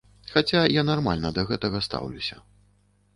Хаця я нармальна да гэтага стаўлюся.